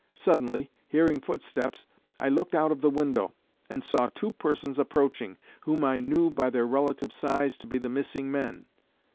Suddenly hearing footsteps, I looked out of the window, and saw two persons approaching, whom I knew by their relative size to be the missing men.